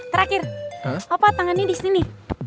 terakhir apa tangannya disini